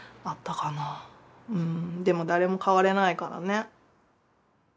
でも誰も代われないからね。